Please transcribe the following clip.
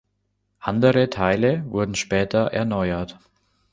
Andere Teile wurden später erneuert.